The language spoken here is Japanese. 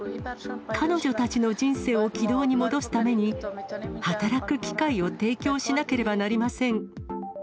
彼女たちの人生を軌道に戻すために、働く機会を提供しなければなりません。